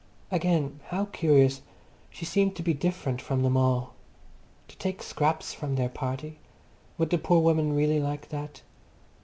Again, how curious, she seemed to be different from them all. To take scraps from their party. Would the poor woman really like that?